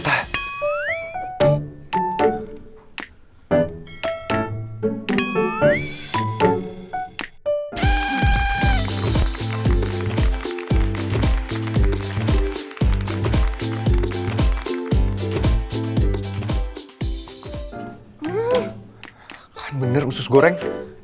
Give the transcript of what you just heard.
tahan bener usus goreng